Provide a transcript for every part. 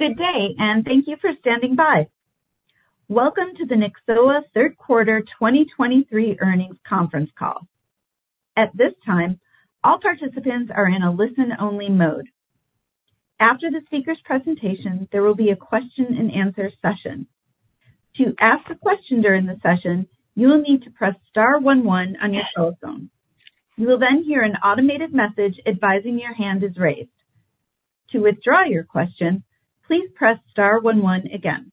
Good day, and thank you for standing by. Welcome to the Nyxoah third quarter 2023 earnings conference call. At this time, all participants are in a listen-only mode. After the speaker's presentation, there will be a question and answer session. To ask a question during the session, you will need to press star one one on your telephone. You will then hear an automated message advising your hand is raised. To withdraw your question, please press star one one again.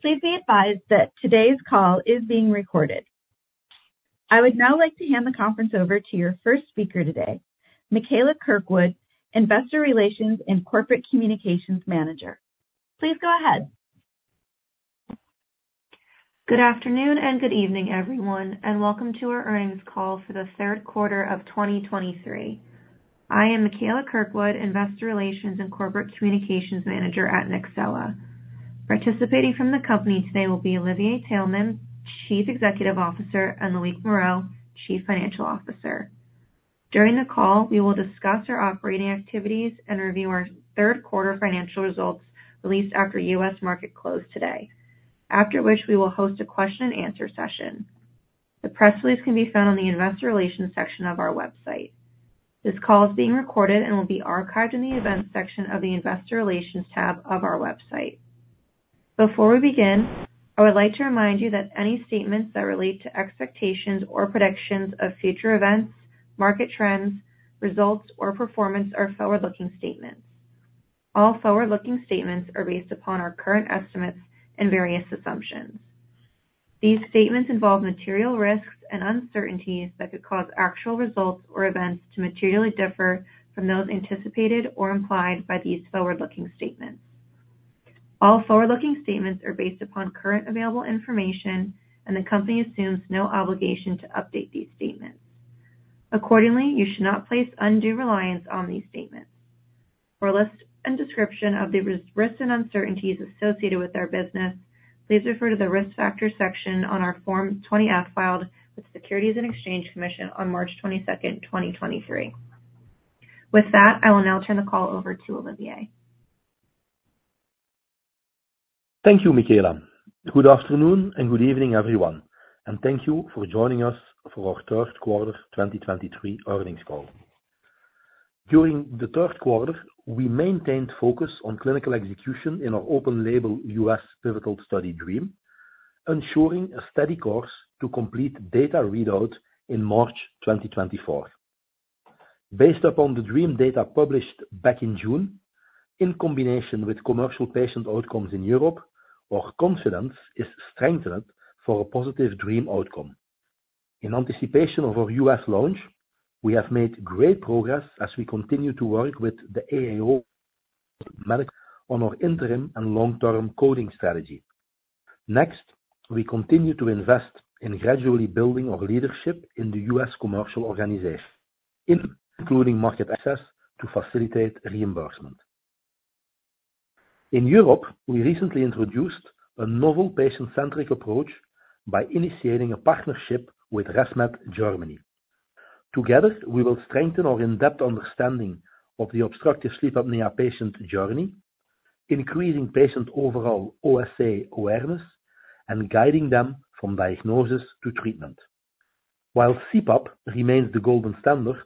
Please be advised that today's call is being recorded. I would now like to hand the conference over to your first speaker today, Michaela Kirkwood, Investor Relations and Corporate Communications Manager. Please go ahead. Good afternoon and good evening, everyone, and welcome to our earnings call for the third quarter of 2023. I am Michaela Kirkwood, Investor Relations and Corporate Communications Manager at Nyxoah. Participating from the company today will be Olivier Taelman, Chief Executive Officer, and Loïc Moreau, Chief Financial Officer. During the call, we will discuss our operating activities and review our third quarter financial results, released after U.S. market closed today, after which we will host a question and answer session. The press release can be found on the investor relations section of our website. This call is being recorded and will be archived in the events section of the investor relations tab of our website. Before we begin, I would like to remind you that any statements that relate to expectations or predictions of future events, market trends, results, or performance are forward-looking statements. All forward-looking statements are based upon our current estimates and various assumptions. These statements involve material risks and uncertainties that could cause actual results or events to materially differ from those anticipated or implied by these forward-looking statements. All forward-looking statements are based upon current available information, and the company assumes no obligation to update these statements. Accordingly, you should not place undue reliance on these statements. For a list and description of the risks and uncertainties associated with our business, please refer to the Risk Factors section on our Form 20-F, filed with the Securities and Exchange Commission on March 22, 2023. With that, I will now turn the call over to Olivier. Thank you, Michaela. Good afternoon and good evening, everyone, and thank you for joining us for our third quarter 2023 earnings call. During the third quarter, we maintained focus on clinical execution in our open label U.S. pivotal study, DREAM, ensuring a steady course to complete data readout in March 2024. Based upon the DREAM data published back in June, in combination with commercial patient outcomes in Europe, our confidence is strengthened for a positive DREAM outcome. In anticipation of our U.S. launch, we have made great progress as we continue to work with the AAO on our interim and long-term coding strategy. Next, we continue to invest in gradually building our leadership in the U.S. commercial organization, including market access to facilitate reimbursement. In Europe, we recently introduced a novel patient-centric approach by initiating a partnership with ResMed Germany. Together, we will strengthen our in-depth understanding of the obstructive sleep apnea patient journey, increasing patient overall OSA awareness, and guiding them from diagnosis to treatment. While CPAP remains the golden standard,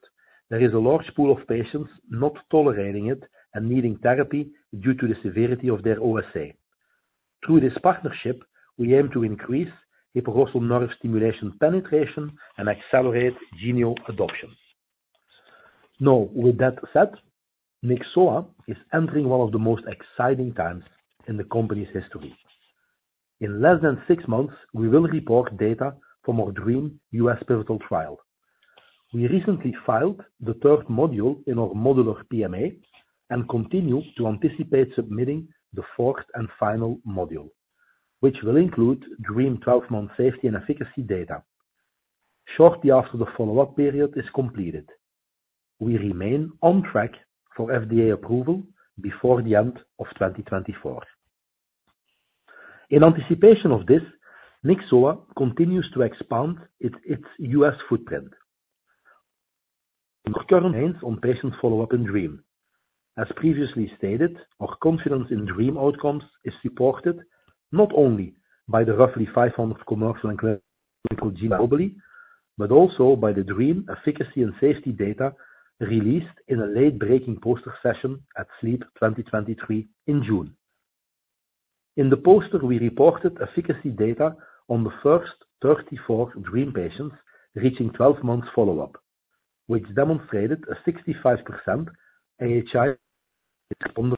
there is a large pool of patients not tolerating it and needing therapy due to the severity of their OSA. Through this partnership, we aim to increase hypoglossal nerve stimulation penetration and accelerate Genio adoption. Now, with that said, Nyxoah is entering one of the most exciting times in the company's history. In less than 6 months, we will report data from our DREAM US pivotal trial. We recently filed the third module in our modular PMA and continue to anticipate submitting the fourth and final module, which will include DREAM 12-month safety and efficacy data shortly after the follow-up period is completed. We remain on track for FDA approval before the end of 2024. In anticipation of this, Nyxoah continues to expand its US footprint. On patient follow-up and DREAM. As previously stated, our confidence in DREAM outcomes is supported not only by the roughly 500 commercial and clinical but also by the DREAM efficacy and safety data released in a late-breaking poster session at SLEEP 2023 in June. In the poster, we reported efficacy data on the first 34 DREAM patients reaching 12 months follow-up, which demonstrated a 65% AHI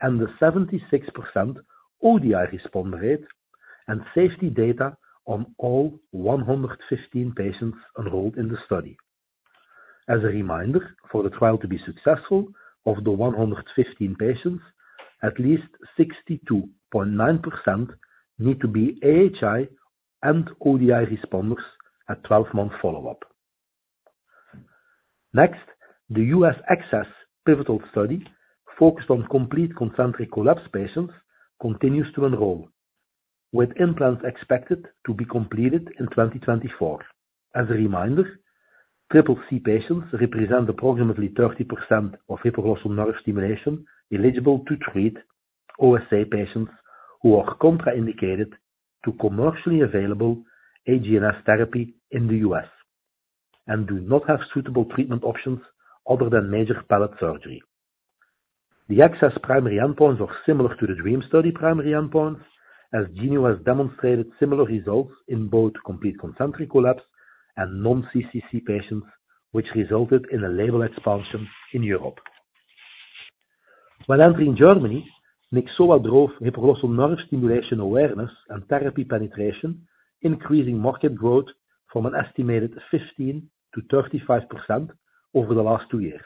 and a 76% ODI responder rate and safety data on all 115 patients enrolled in the study. As a reminder, for the trial to be successful, of the 115 patients, at least 62.9% need to be AHI and ODI responders at 12-month follow-up. Next, the US ACCESS pivotal study, focused on complete concentric collapse patients, continues to enroll.... With implants expected to be completed in 2024. As a reminder, CCC patients represent approximately 30% of hypoglossal nerve stimulation-eligible to treat OSA patients who are contraindicated to commercially available HGNS therapy in the U.S., and do not have suitable treatment options other than major palate surgery. The ACCESS primary endpoints are similar to the DREAM study primary endpoints, as Genio has demonstrated similar results in both complete concentric collapse and non-CCC patients, which resulted in a label expansion in Europe. When entering Germany, Nyxoah drove hypoglossal nerve stimulation awareness and therapy penetration, increasing market growth from an estimated 15%-35% over the last 2 years.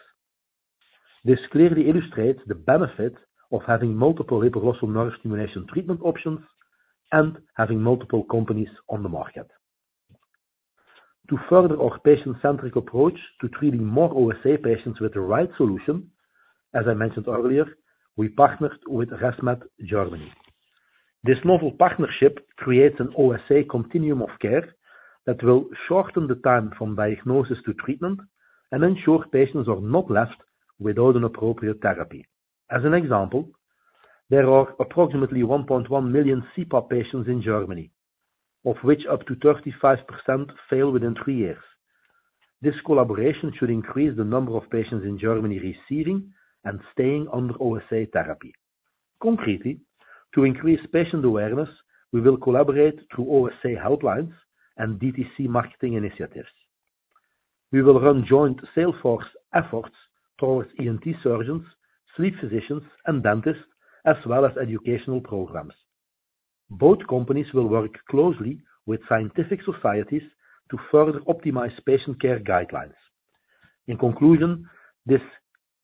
This clearly illustrates the benefit of having multiple hypoglossal nerve stimulation treatment options and having multiple companies on the market. To further our patient-centric approach to treating more OSA patients with the right solution, as I mentioned earlier, we partnered with ResMed Germany. This novel partnership creates an OSA continuum of care that will shorten the time from diagnosis to treatment and ensure patients are not left without an appropriate therapy. As an example, there are approximately 1.1 million CPAP patients in Germany, of which up to 35% fail within three years. This collaboration should increase the number of patients in Germany receiving and staying under OSA therapy. Concretely, to increase patient awareness, we will collaborate through OSA helplines and DTC marketing initiatives. We will run joint sales force efforts towards ENT surgeons, sleep physicians, and dentists, as well as educational programs. Both companies will work closely with scientific societies to further optimize patient care guidelines. In conclusion, this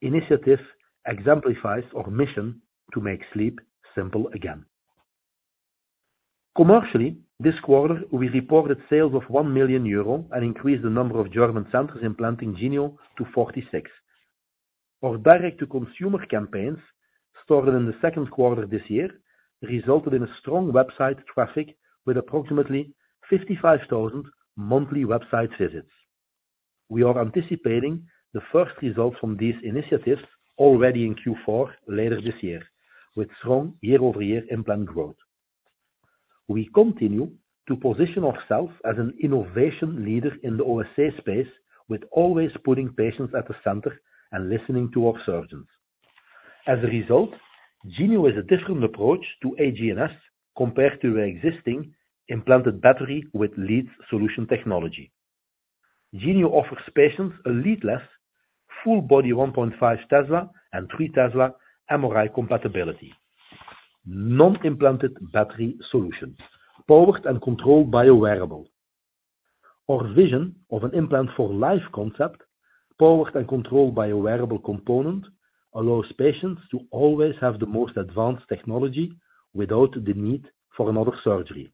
initiative exemplifies our mission to make sleep simple again. Commercially, this quarter, we reported sales of 1 million euro and increased the number of German centers implanting Genio to 46. Our direct-to-consumer campaigns, started in the second quarter this year, resulted in a strong website traffic with approximately 55,000 monthly website visits. We are anticipating the first results from these initiatives already in Q4, later this year, with strong year-over-year implant growth. We continue to position ourselves as an innovation leader in the OSA space, with always putting patients at the center and listening to our surgeons. As a result, Genio is a different approach to HGNS, compared to the existing implanted battery with lead solution technology. Genio offers patients a lead-less, full-body 1.5T and 3T MRI compatibility, non-implanted battery solutions, powered and controlled by a wearable. Our vision of an implant for life concept, powered and controlled by a wearable component, allows patients to always have the most advanced technology without the need for another surgery.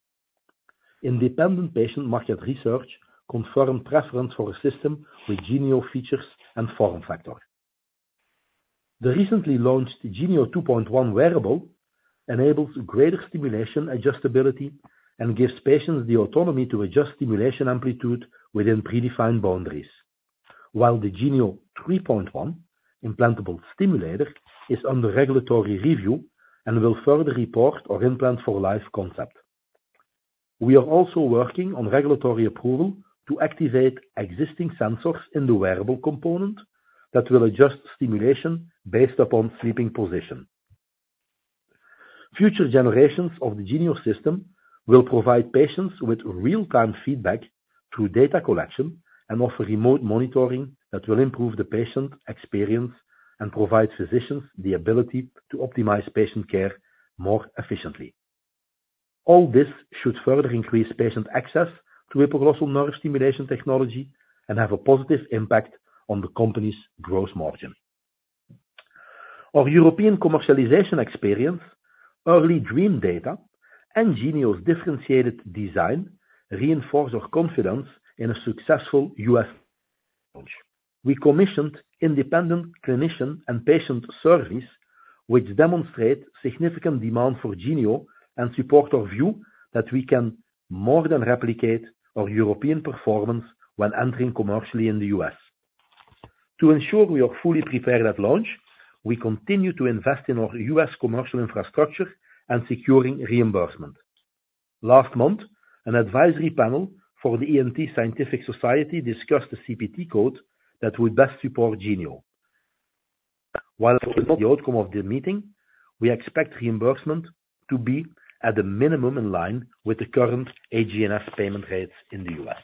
Independent patient market research confirmed preference for a system with Genio features and form factor. The recently launched Genio 2.1 wearable enables greater stimulation, adjustability, and gives patients the autonomy to adjust stimulation amplitude within predefined boundaries. While the Genio 3.1 implantable stimulator is under regulatory review and will further report our implant for life concept. We are also working on regulatory approval to activate existing sensors in the wearable component that will adjust stimulation based upon sleeping position. Future generations of the Genio system will provide patients with real-time feedback through data collection and offer remote monitoring that will improve the patient experience and provide physicians the ability to optimize patient care more efficiently. All this should further increase patient access to hypoglossal nerve stimulation technology and have a positive impact on the company's gross margin. Our European commercialization experience, early DREAM data, and Genio's differentiated design, reinforce our confidence in a successful U.S. launch. We commissioned independent clinician and patient surveys, which demonstrate significant demand for Genio and support our view that we can more than replicate our European performance when entering commercially in the U.S. To ensure we are fully prepared at launch, we continue to invest in our U.S. commercial infrastructure and securing reimbursement. Last month, an advisory panel for the ENT Scientific Society discussed the CPT code that would best support Genio. While the outcome of the meeting, we expect reimbursement to be at a minimum, in line with the current HGNS payment rates in the U.S.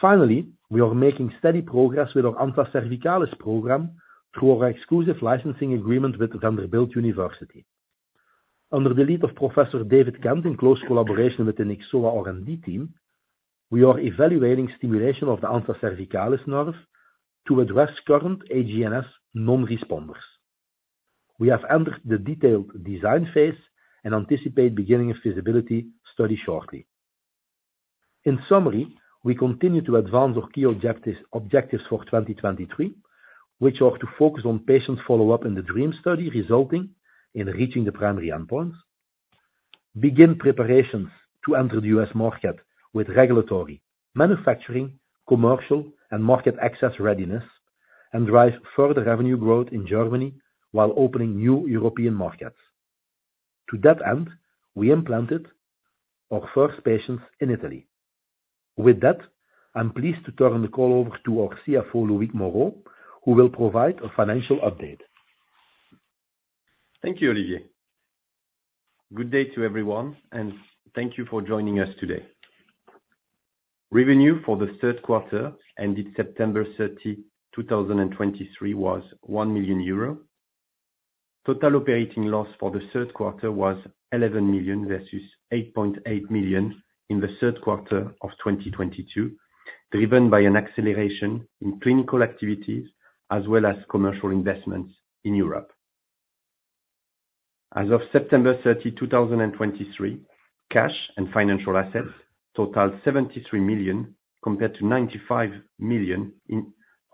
Finally, we are making steady progress with our Ansa Cervicalis Program through our exclusive licensing agreement with Vanderbilt University. Under the lead of Professor David Kent, in close collaboration with the Nyxoah R&D team, we are evaluating stimulation of the ansa cervicalis nerves to address current HGNS non-responders. We have entered the detailed design phase and anticipate beginning a feasibility study shortly. In summary, we continue to advance our key objectives, objectives for 2023, which are to focus on patient follow-up in the DREAM study, resulting in reaching the primary endpoints. Begin preparations to enter the U.S. market with regulatory, manufacturing, commercial, and market access readiness, and drive further revenue growth in Germany while opening new European markets. To that end, we implanted our first patients in Italy. With that, I'm pleased to turn the call over to our CFO, Loïc Moreau, who will provide a financial update. Thank you, Olivier. Good day to everyone, and thank you for joining us today. Revenue for the third quarter, ended September 30, 2023, was 1 million euro. Total operating loss for the third quarter was 11 million versus 8.8 million in the third quarter of 2022, driven by an acceleration in clinical activities as well as commercial investments in Europe. As of September 30, 2023, cash and financial assets totaled 73 million, compared to 95 million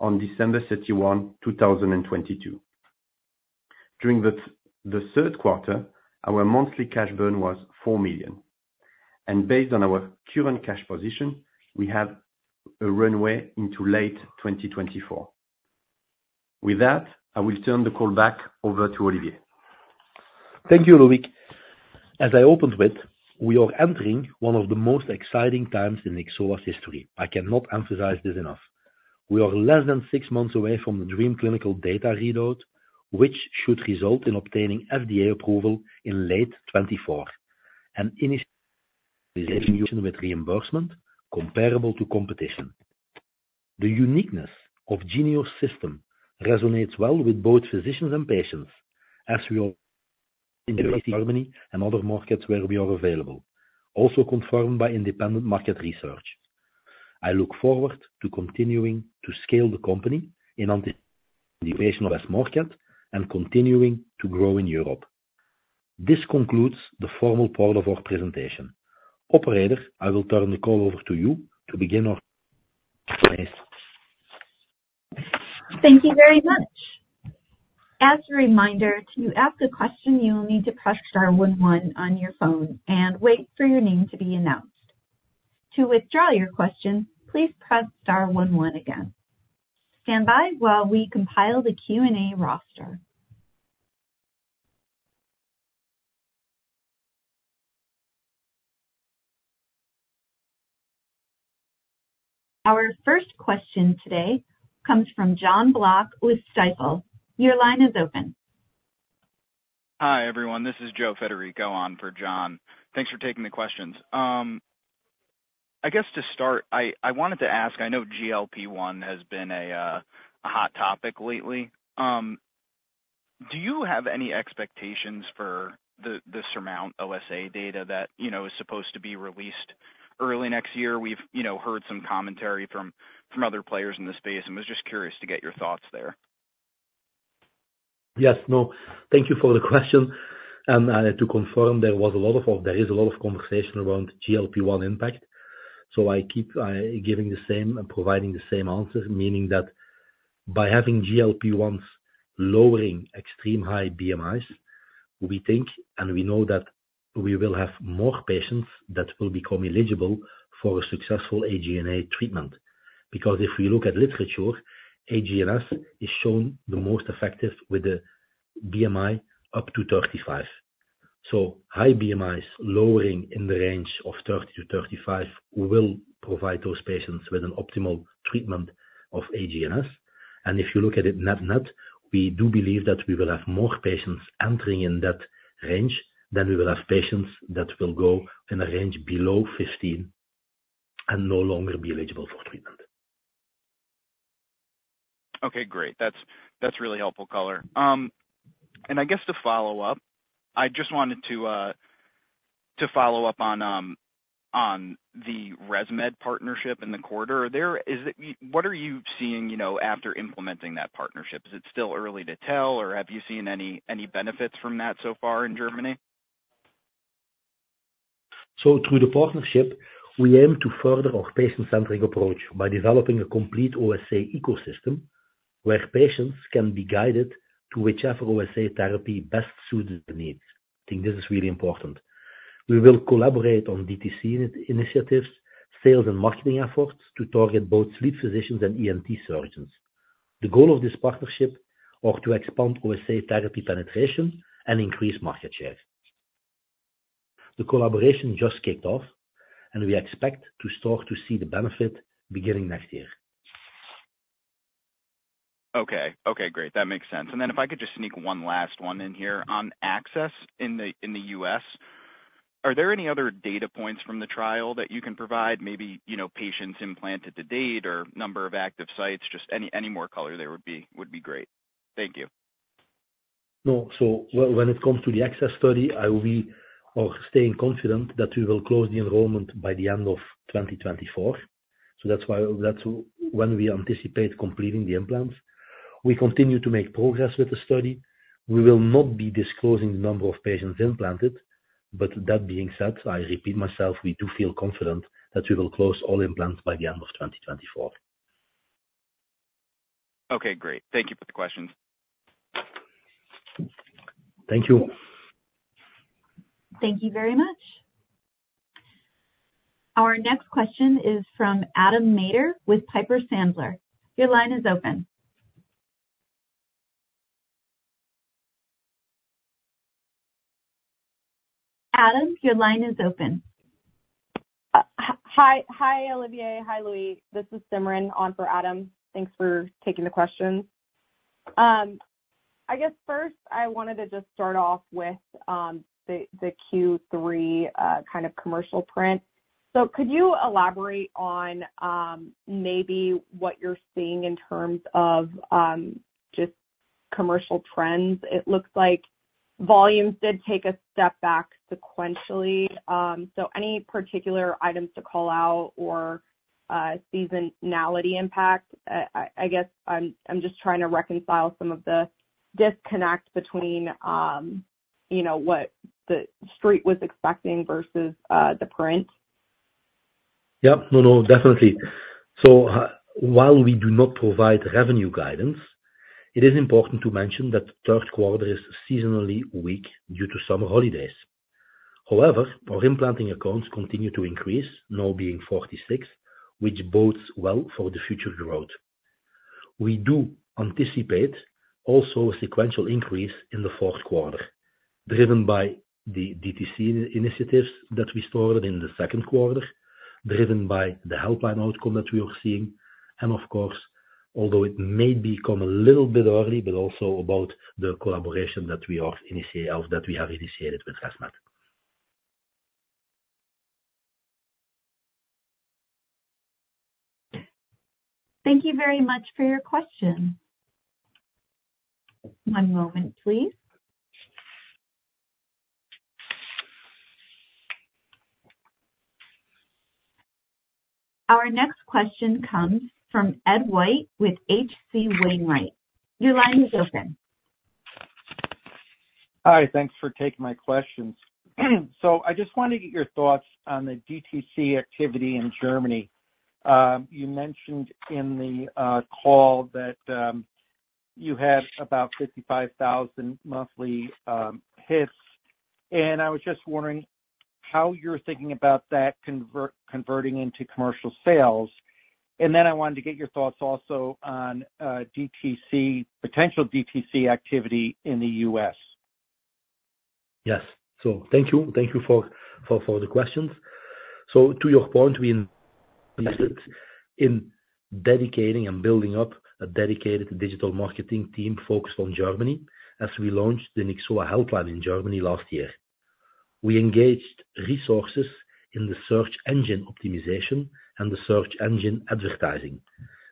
on December 31, 2022. During the third quarter, our monthly cash burn was 4 million, and based on our current cash position, we have a runway into late 2024. With that, I will turn the call back over to Olivier. Thank you, Loïc. As I opened with, we are entering one of the most exciting times in Nyxoah's history. I cannot emphasize this enough. We are less than six months away from the DREAM clinical data readout, which should result in obtaining FDA approval in late 2024 and initiate with reimbursement comparable to competition. The uniqueness of Genio system resonates well with both physicians and patients, as we are in Germany and other markets where we are available, also confirmed by independent market research. I look forward to continuing to scale the company in anticipation of U.S. market and continuing to grow in Europe. This concludes the formal part of our presentation. Operator, I will turn the call over to you to begin our Q&A. Thank you very much. As a reminder, to ask a question, you will need to press star one one on your phone and wait for your name to be announced. To withdraw your question, please press star one one again. Stand by while we compile the Q&A roster. Our first question today comes from John Block with Stifel. Your line is open. Hi, everyone. This is Joe Federico on for John. Thanks for taking the questions. I guess to start, I wanted to ask, I know GLP-1 has been a hot topic lately. Do you have any expectations for the SURMOUNT-OSA data that, you know, is supposed to be released early next year? We've, you know, heard some commentary from other players in the space and was just curious to get your thoughts there. Yes. No, thank you for the question. And, to confirm, there was a lot of, or there is a lot of conversation around GLP-1 impact. So I keep giving the same and providing the same answer, meaning that by having GLP-1s lowering extreme high BMIs, we think and we know that we will have more patients that will become eligible for a successful HGNS treatment. Because if we look at literature, HGNS is shown the most effective with the BMI up to 35. So high BMIs lowering in the range of 30-35 will provide those patients with an optimal treatment of HGNS. And if you look at it net-net, we do believe that we will have more patients entering in that range, than we will have patients that will go in a range below 15 and no longer be eligible for treatment. Okay, great. That's, that's really helpful color. I guess to follow up, I just wanted to to follow up on on the ResMed partnership in the quarter. What are you seeing, you know, after implementing that partnership? Is it still early to tell, or have you seen any, any benefits from that so far in Germany? So through the partnership, we aim to further our patient-centric approach by developing a complete OSA ecosystem, where patients can be guided to whichever OSA therapy best suits their needs. I think this is really important. We will collaborate on DTC initiatives, sales and marketing efforts to target both sleep physicians and ENT surgeons. The goal of this partnership are to expand OSA therapy penetration and increase market share. The collaboration just kicked off, and we expect to start to see the benefit beginning next year. Okay. Okay, great. That makes sense. And then if I could just sneak one last one in here. On access in the US, are there any other data points from the trial that you can provide, maybe, you know, patients implanted to date or number of active sites, just any more color there would be great. Thank you. No. So when it comes to the ACCESS study, I will be, or staying confident that we will close the enrollment by the end of 2024. So that's why, that's when we anticipate completing the implants. We continue to make progress with the study. We will not be disclosing the number of patients implanted, but that being said, I repeat myself, we do feel confident that we will close all implants by the end of 2024. Okay, great. Thank you for the questions. Thank you. Thank you very much. Our next question is from Adam Maeder with Piper Sandler. Your line is open. Adam, your line is open. Hi, hi, Olivier. Hi, Lo��c. This is Simran on for Adam. Thanks for taking the questions. I guess first I wanted to just start off with the Q3 kind of commercial print. So could you elaborate on maybe what you're seeing in terms of just commercial trends? It looks like volumes did take a step back sequentially. So any particular items to call out or seasonality impact? I guess I'm just trying to reconcile some of the disconnect between you know what the street was expecting versus the print. Yep. No, no, definitely. So, while we do not provide revenue guidance, it is important to mention that the third quarter is seasonally weak due to summer holidays. However, our implanting accounts continue to increase, now being 46, which bodes well for the future growth. We do anticipate also a sequential increase in the fourth quarter, driven by the DTC initiatives that we started in the second quarter, driven by the helpline outcome that we are seeing. And of course, although it may be a little bit early, but also about the collaboration that we have initiated with ResMed. Thank you very much for your question. One moment, please. Our next question comes from Ed White, with H.C. Wainwright. Your line is open. Hi, thanks for taking my questions. I just wanted to get your thoughts on the DTC activity in Germany. You mentioned in the call that you had about 55,000 monthly hits, and I was just wondering how you're thinking about that converting into commercial sales. Then I wanted to get your thoughts also on DTC, potential DTC activity in the U.S. Yes. So thank you. Thank you for the questions. So to your point, we invested in dedicating and building up a dedicated digital marketing team focused on Germany, as we launched the Nyxoah helpline in Germany last year. We engaged resources in the search engine optimization and the search engine advertising.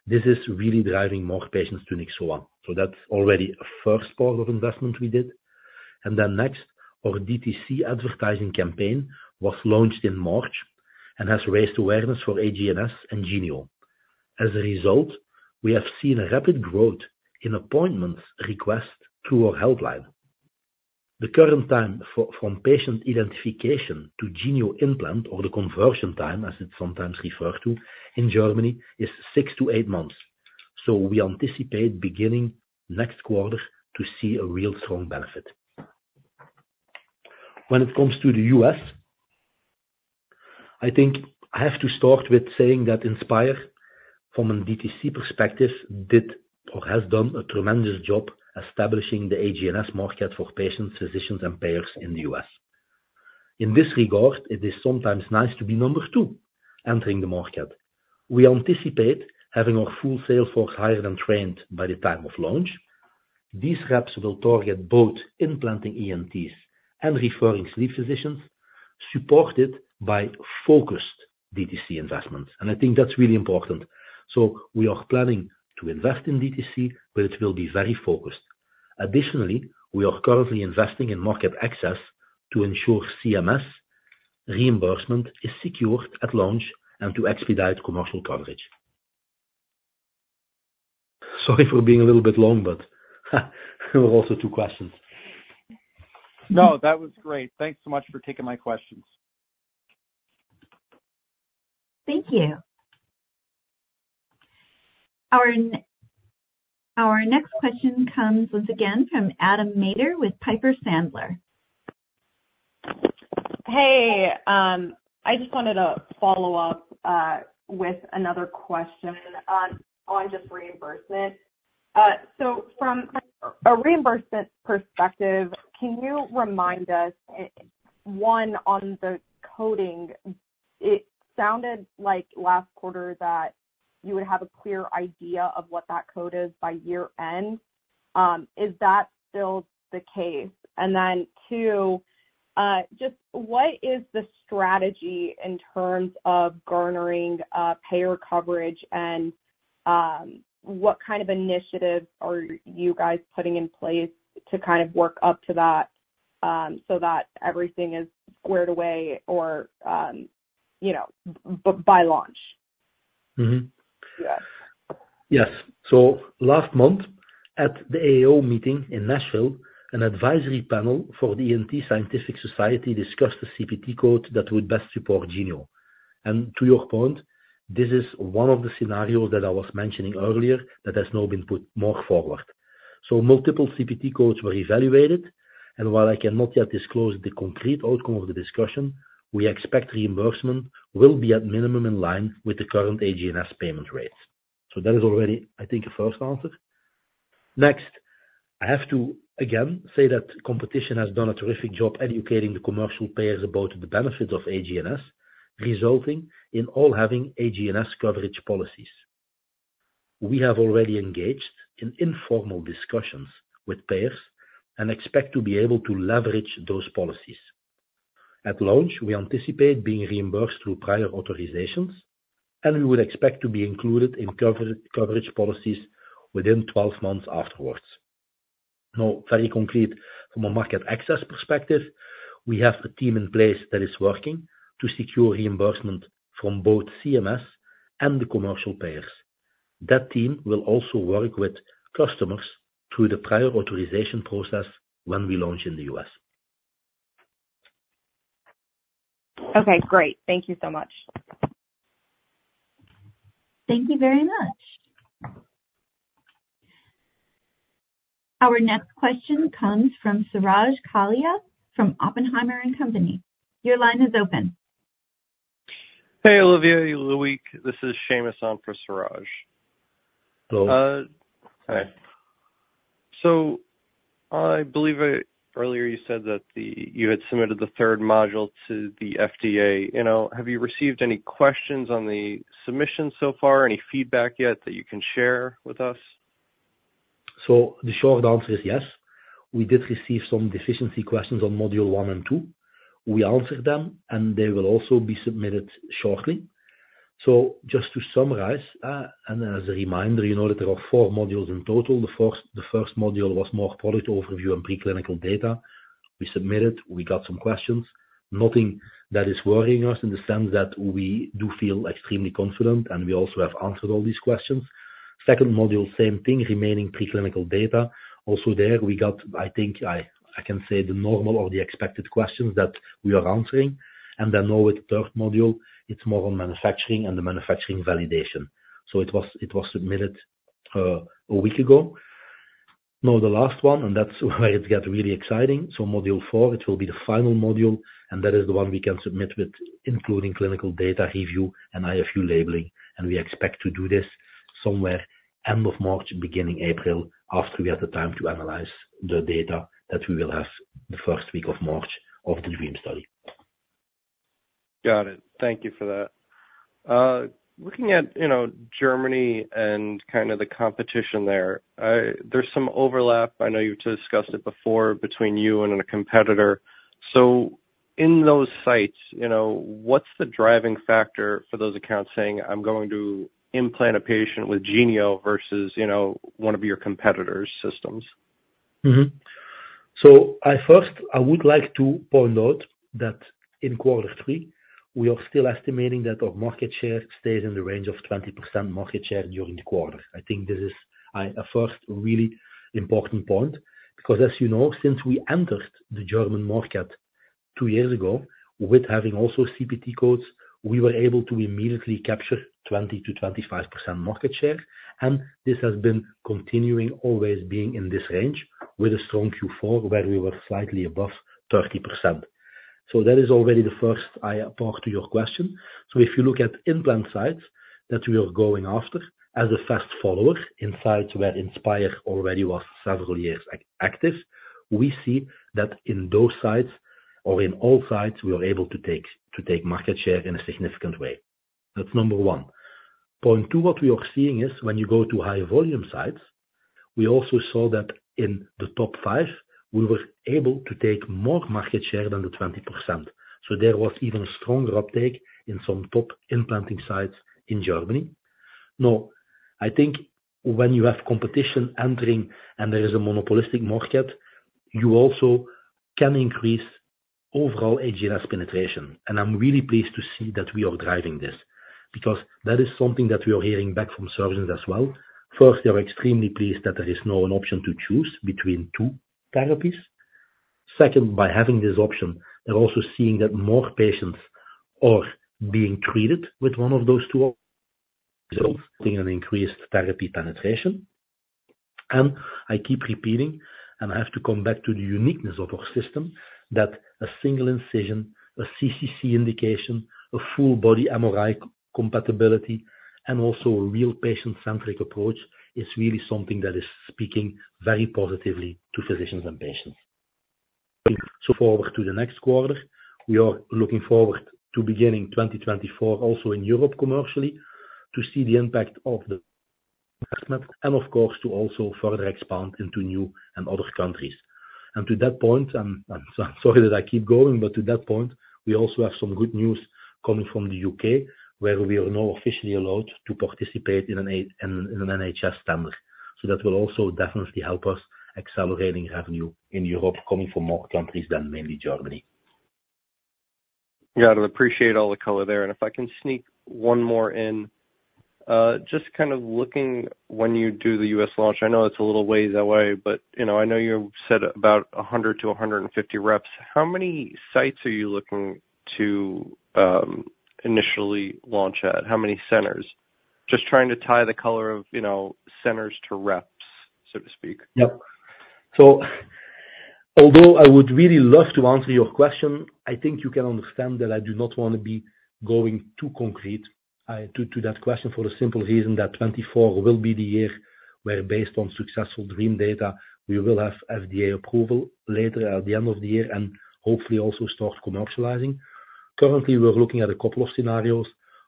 This is really driving more patients to Nyxoah. So that's already a first part of investment we did. And then next, our DTC advertising campaign was launched in March and has raised awareness for HGNS and Genio. As a result, we have seen a rapid growth in appointments request through our helpline. The current time from patient identification to Genio implant, or the conversion time, as it's sometimes referred to in Germany, is six-to-eight months. So we anticipate beginning next quarter to see a real strong benefit. When it comes to the U.S., I think I have to start with saying that Inspire, from a DTC perspective, did or has done a tremendous job establishing the HGNS market for patients, physicians, and payers in the U.S. In this regard, it is sometimes nice to be number two entering the market. We anticipate having our full sales force hired and trained by the time of launch. These reps will target both implanting ENTs and referring sleep physicians, supported by focused DTC investments, and I think that's really important. So we are planning to invest in DTC, but it will be very focused. Additionally, we are currently investing in market access to ensure CMS reimbursement is secured at launch and to expedite commercial coverage. Sorry for being a little bit long, but there were also two questions. No, that was great. Thanks so much for taking my questions. Thank you. Our next question comes once again from Adam Maeder, with Piper Sandler. Hey, I just wanted to follow up with another question on just reimbursement. So from a reimbursement perspective, can you remind us one, on the coding, it sounded like last quarter that you would have a clear idea of what that code is by year end. Is that still the case? And then, two, just what is the strategy in terms of garnering payer coverage, and what kind of initiatives are you guys putting in place to kind of work up to that? So that everything is squared away or, you know, by launch. Mm-hmm. Yes. Yes. So last month, at the AAO meeting in Nashville, an advisory panel for the ENT Scientific Society discussed the CPT code that would best support Genio. To your point, this is one of the scenarios that I was mentioning earlier, that has now been put more forward. So multiple CPT codes were evaluated, and while I cannot yet disclose the concrete outcome of the discussion, we expect reimbursement will be at minimum, in line with the current HGNS payment rates. So that is already, I think, a first answer. Next, I have to, again, say that competition has done a terrific job educating the commercial payers about the benefits of HGNS, resulting in all having HGNS coverage policies. We have already engaged in informal discussions with payers and expect to be able to leverage those policies. At launch, we anticipate being reimbursed through prior authorizations, and we would expect to be included in coverage policies within 12 months afterwards. Now, very concrete, from a market access perspective, we have a team in place that is working to secure reimbursement from both CMS and the commercial payers. That team will also work with customers through the prior authorization process when we launch in the U.S. Okay, great. Thank you so much. Thank you very much. Our next question comes from Suraj Kalia, from Oppenheimer and Company. Your line is open. Hey, Olivier, Loïc. This is Seamus on for Suraj. Hello. Hi. So I believe, earlier you said that you had submitted the third module to the FDA. You know, have you received any questions on the submission so far? Any feedback yet that you can share with us? So the short answer is, yes. We did receive some deficiency questions on module 1 and 2. We answered them, and they will also be submitted shortly. So just to summarize, and as a reminder, you know, that there are 4 modules in total. The first module was more product overview and preclinical data. We submitted, we got some questions. Nothing that is worrying us, in the sense that we do feel extremely confident and we also have answered all these questions. Second module, same thing, remaining preclinical data. Also there we got, I think I can say, the normal or the expected questions that we are answering. And then now with third module, it's more on manufacturing and the manufacturing validation. So it was submitted a week ago. Now, the last one, and that's where it gets really exciting. So, module four, it will be the final module, and that is the one we can submit with, including clinical data review and IFU labeling. We expect to do this somewhere end of March, beginning April, after we have the time to analyze the data that we will have the first week of March of the DREAM study. Got it. Thank you for that. Looking at, you know, Germany and kind of the competition there, there's some overlap, I know you've discussed it before, between you and a competitor. So in those sites, you know, what's the driving factor for those accounts saying, "I'm going to implant a patient with Genio versus, you know, one of your competitors' systems? Mm-hmm. So I first, I would like to point out that in quarter three, we are still estimating that our market share stayed in the range of 20% market share during the quarter. I think this is, I, a first really important point, because as you know, since we entered the German market two years ago with having also CPT codes, we were able to immediately capture 20%-25% market share, and this has been continuing, always being in this range with a strong Q4, where we were slightly above 30%. So that is already the first part to your question. So if you look at implant sites that we are going after, as a fast follower in sites where Inspire already was several years active, we see that in those sites or in all sites, we are able to take market share in a significant way. That's number 1. Point 2, what we are seeing is when you go to higher volume sites, we also saw that in the top 5, we were able to take more market share than the 20%. So there was even stronger uptake in some top implanting sites in Germany. Now, I think when you have competition entering and there is a monopolistic market, you also can increase overall HGNS penetration. And I'm really pleased to see that we are driving this, because that is something that we are hearing back from surgeons as well. First, they are extremely pleased that there is now an option to choose between two therapies. Second, by having this option, they're also seeing that more patients are being treated with one of those two, seeing an increased therapy penetration. And I keep repeating, and I have to come back to the uniqueness of our system, that a single incision, a CCC indication, a full body MRI compatibility, and also a real patient-centric approach, is really something that is speaking very positively to physicians and patients. So forward to the next quarter, we are looking forward to beginning 2024, also in Europe commercially, to see the impact of the investment and of course, to also further expand into new and other countries. To that point, I'm sorry that I keep going, but to that point, we also have some good news coming from the UK, where we are now officially allowed to participate in an NHS tender. So that will also definitely help us accelerating revenue in Europe, coming from more countries than mainly Germany.... Got it. Appreciate all the color there. And if I can sneak one more in. Just kind of looking when you do the U.S. launch, I know it's a little ways away, but, you know, I know you said about 100-150 reps. How many sites are you looking to initially launch at? How many centers? Just trying to tie the color of, you know, centers to reps, so to speak. Yep. So although I would really love to answer your question, I think you can understand that I do not want to be going too concrete, to, to that question for the simple reason that 2024 will be the year where, based on successful DREAM data, we will have FDA approval later at the end of the year and hopefully also start commercializing. Currently, we're looking at a couple of scenarios.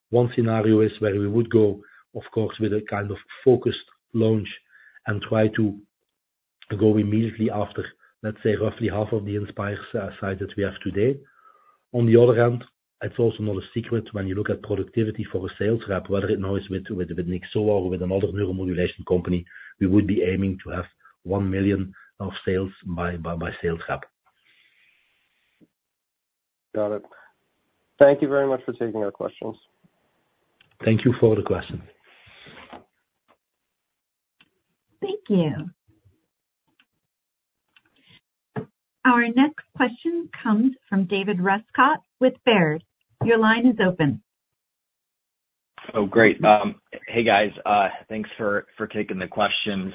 One scenario is where we would go, of course, with a kind of focused launch and try to go immediately after, let's say, roughly half of the Inspire site that we have today. On the other hand, it's also not a secret when you look at productivity for a sales rep, whether it now is with Nyxoah or with another neuromodulation company, we would be aiming to have 1 million of sales by sales rep. Got it. Thank you very much for taking our questions. Thank you for the question. Thank you. Our next question comes from David Rescott with Baird. Your line is open. Oh, great. Hey, guys, thanks for taking the questions.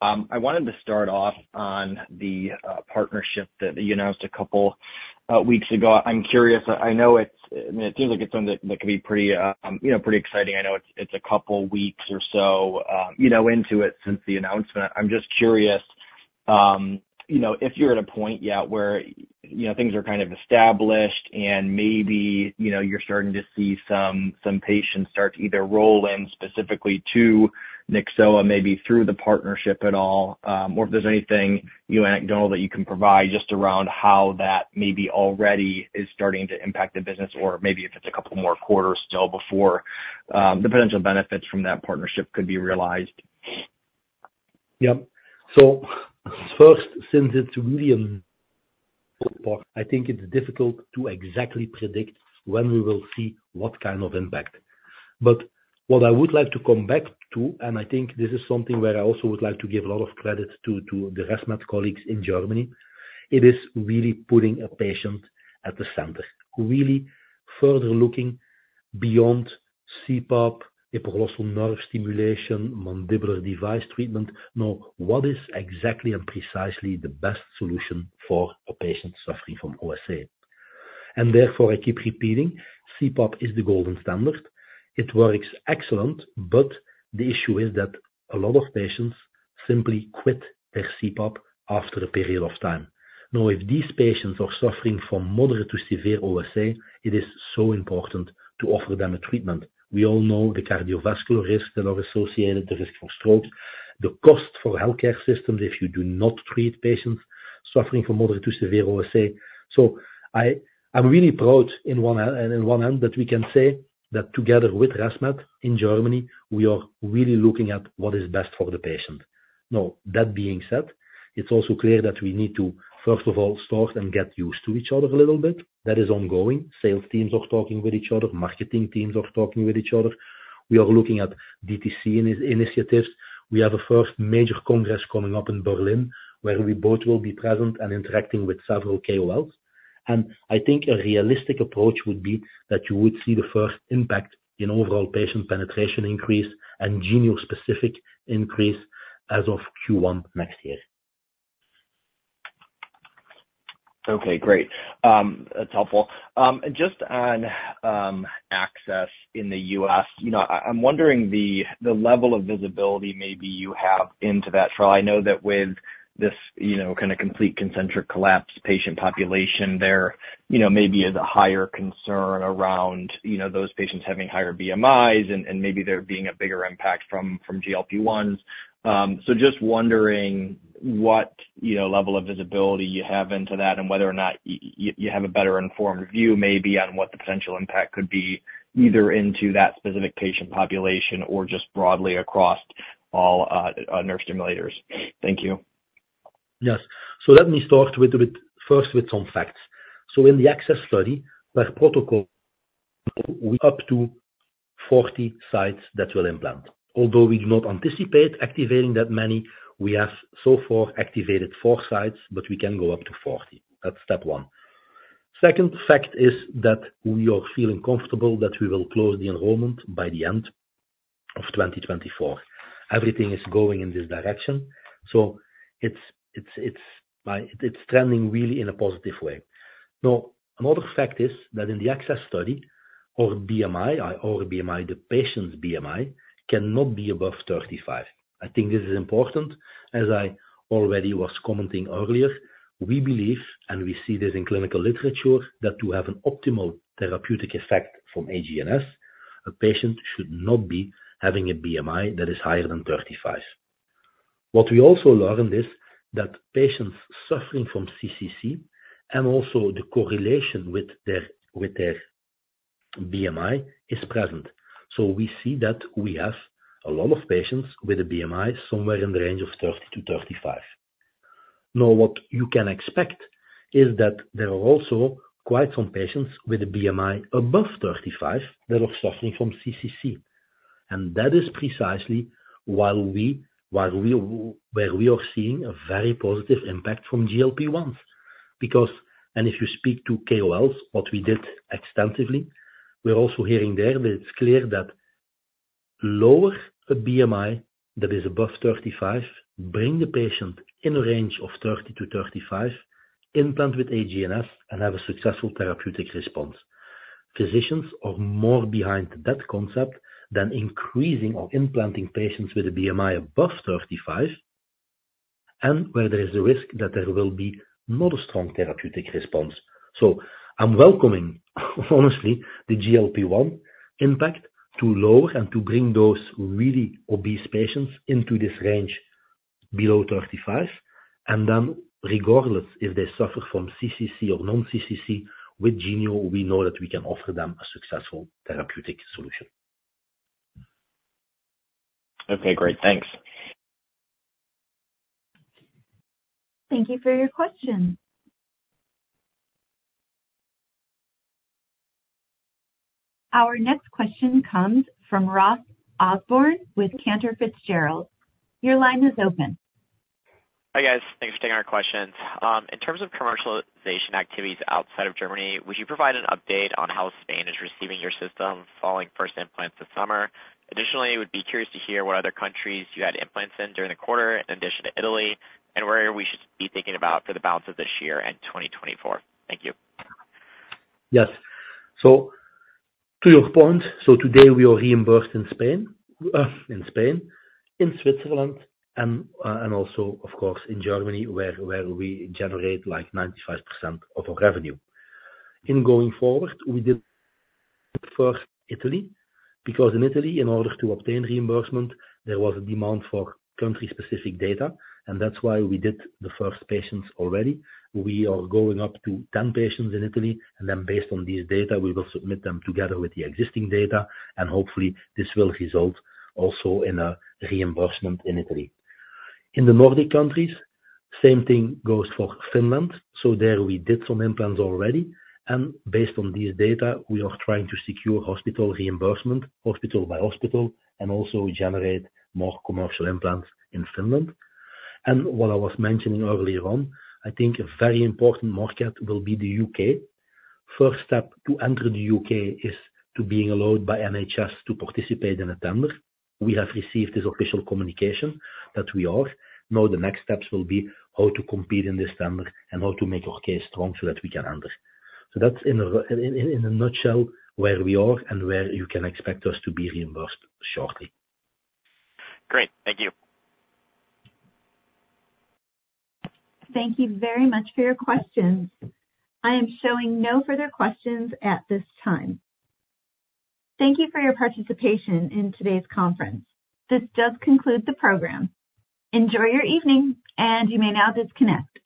I wanted to start off on the partnership that you announced a couple weeks ago. I'm curious. I know it's... It seems like it's something that could be pretty, you know, pretty exciting. I know it's a couple weeks or so, you know, into it since the announcement. I'm just curious, you know, if you're at a point yet where, you know, things are kind of established and maybe, you know, you're starting to see some patients start to either roll in specifically to Nyxoah, maybe through the partnership at all, or if there's anything you anecdotally can provide just around how that maybe already is starting to impact the business, or maybe if it's a couple more quarters still before the potential benefits from that partnership could be realized. Yep. So first, since it's really an, I think it's difficult to exactly predict when we will see what kind of impact. But what I would like to come back to, and I think this is something where I also would like to give a lot of credit to the ResMed colleagues in Germany, it is really putting a patient at the center, really further looking beyond CPAP, hypoglossal nerve stimulation, mandibular device treatment. Now, what is exactly and precisely the best solution for a patient suffering from OSA? And therefore, I keep repeating, CPAP is the gold standard. It works excellent, but the issue is that a lot of patients simply quit their CPAP after a period of time. Now, if these patients are suffering from moderate to severe OSA, it is so important to offer them a treatment. We all know the cardiovascular risks that are associated, the risk for stroke, the cost for healthcare systems if you do not treat patients suffering from moderate to severe OSA. So I, I'm really proud in one hand, in one hand, that we can say that together with ResMed in Germany, we are really looking at what is best for the patient. Now, that being said, it's also clear that we need to first of all, start and get used to each other a little bit. That is ongoing. Sales teams are talking with each other, marketing teams are talking with each other. We are looking at DTC initiatives. We have a first major congress coming up in Berlin, where we both will be present and interacting with several KOLs. I think a realistic approach would be that you would see the first impact in overall patient penetration increase and Genio specific increase as of Q1 next year. Okay, great. That's helpful. And just on access in the U.S., you know, I'm wondering the level of visibility maybe you have into that trial. I know that with this, you know, kind of complete concentric collapse patient population, there, you know, maybe is a higher concern around, you know, those patients having higher BMIs and maybe there being a bigger impact from GLP-1s. So just wondering what level of visibility you have into that and whether or not you have a better informed view maybe on what the potential impact could be, either into that specific patient population or just broadly across all nerve stimulators. Thank you. Yes. So let me start with first some facts. So in the access study, where protocol... Up to 40 sites that will implant. Although we do not anticipate activating that many, we have so far activated 4 sites, but we can go up to 40. That's step one. Second fact is that we are feeling comfortable that we will close the enrollment by the end of 2024. Everything is going in this direction, so it's like it's trending really in a positive way. Now, another fact is that in the access study or BMI, the patient's BMI cannot be above 35. I think this is important. As I already was commenting earlier, we believe, and we see this in clinical literature, that to have an optimal therapeutic effect from HGNS, a patient should not be having a BMI that is higher than 35. What we also learned is that patients suffering from CCC and also the correlation with their BMI is present. So we see that we have a lot of patients with a BMI somewhere in the range of 30-35. Now what you can expect is that there are also quite some patients with a BMI above 35 that are suffering from CCC. And that is precisely why we are seeing a very positive impact from GLP-1. Because and if you speak to KOLs, what we did extensively, we're also hearing there that it's clear that lower a BMI that is above 35, bring the patient in a range of 30-35, implant with HGNS and have a successful therapeutic response. Physicians are more behind that concept than increasing or implanting patients with a BMI above 35, and where there is a risk that there will be not a strong therapeutic response. So I'm welcoming, honestly, the GLP-1 impact to lower and to bring those really obese patients into this range below 35. And then regardless if they suffer from CCC or non-CCC, with Genio, we know that we can offer them a successful therapeutic solution. Okay, great. Thanks. Thank you for your question. Our next question comes from Ross Osborn with Cantor Fitzgerald. Your line is open. Hi, guys. Thanks for taking our questions. In terms of commercialization activities outside of Germany, would you provide an update on how Spain is receiving your system following first implants this summer? Additionally, would be curious to hear what other countries you had implants in during the quarter, in addition to Italy, and where we should be thinking about for the balance of this year and 2024. Thank you. Yes. So to your point, so today we are reimbursed in Spain, in Switzerland, and also, of course, in Germany, where we generate like 95% of our revenue. In going forward, we did first Italy, because in Italy, in order to obtain reimbursement, there was a demand for country-specific data, and that's why we did the first patients already. We are going up to 10 patients in Italy, and then based on these data, we will submit them together with the existing data, and hopefully this will result also in a reimbursement in Italy. In the Nordic countries, same thing goes for Finland. So there we did some implants already, and based on these data, we are trying to secure hospital reimbursement, hospital by hospital, and also generate more commercial implants in Finland. What I was mentioning earlier on, I think a very important market will be the UK. First step to enter the UK is to being allowed by NHS to participate in a tender. We have received this official communication that we are. Now, the next steps will be how to compete in this tender and how to make our case strong so that we can enter. So that's in a nutshell, where we are and where you can expect us to be reimbursed shortly. Great. Thank you. Thank you very much for your questions. I am showing no further questions at this time. Thank you for your participation in today's conference. This does conclude the program. Enjoy your evening, and you may now disconnect.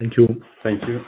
Thank you. Thank you.